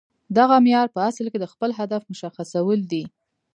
دغه معیار په اصل کې د خپل هدف مشخصول دي